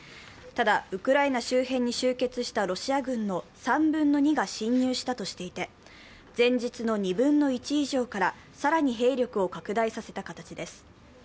たた、ウクライナ周辺に集結したロシア軍の３分の２が侵入したとしていて前日の２分の１以上から更に兵力を拡大させた形です。